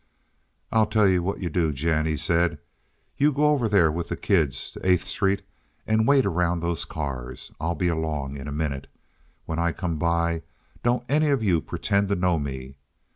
"I'll tell you what you do, Jen," he said. "You go over there with the kids to Eighth Street and wait around those cars. I'll be along in a minute. When I come by don't any of you pretend to know me.